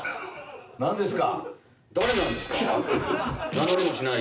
何ですか？